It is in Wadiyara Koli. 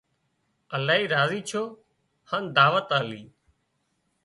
الاهي راضي ڇو هان دعوت آلي